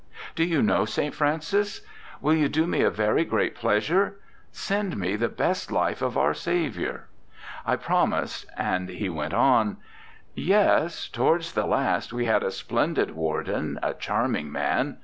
... Do you know St. Francis? Will you do me a very great pleasure? Send me the best life of our Saviour!" I promised; and he went on: " Yes towards the last we had a splendid warden, a charming man!